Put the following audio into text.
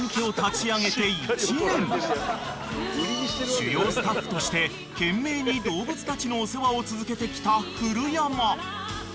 ［主要スタッフとして懸命に動物たちのお世話を続けてきた古山］